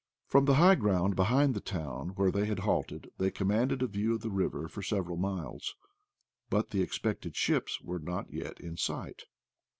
From the high ground behind the town where they had halted they commanded a view of the river for several miles, but the expected ships were not yet in sight.